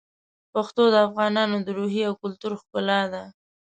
پښتو د افغانانو د روحیې او کلتور ښکلا ده.